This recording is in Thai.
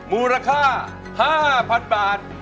มูลค่า๕๐๐๐บาท